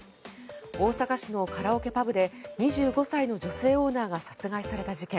大阪市のカラオケパブで２５歳の女性オーナーが殺害された事件。